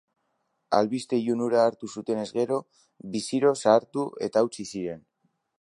Albiste ilun hura hartu zutenez gero, biziro zahartu eta hautsi ziren.